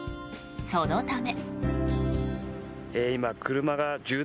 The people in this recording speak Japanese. そのため。